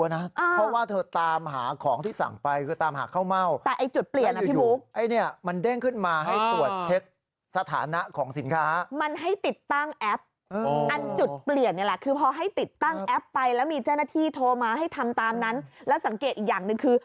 และสังเกตอีกอย่างหนึ่งคือ